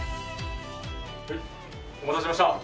はいお待たせしました。